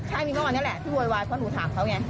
ใช่มีเมื่อวานนี้แหละที่โวยวายเพราะหนูถามเขาไง